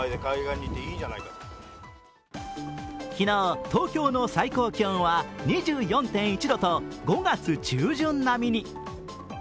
昨日、東京の最高気温は２４．１度と５月中旬並みに。